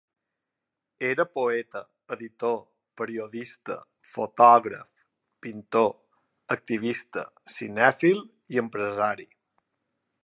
Era poeta, editor, periodista, fotògraf, pintor, activista, cinèfil i empresari.